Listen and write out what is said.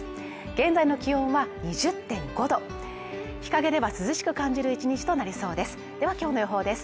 現在の気温は２０．５度日陰では涼しく感じる１日となりそうですでは今日の予報です